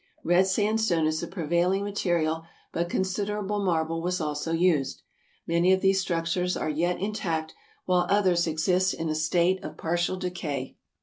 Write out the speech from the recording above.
Red sandstone is the prevailing material, but consid ASIA 315 erable marble was also used. Many of these structures are yet intact, while others exist in a state of partial decay.